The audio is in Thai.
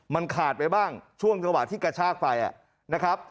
มันขาดไปบ้างช่วงจังหวะที่กระชากไฟนะครับ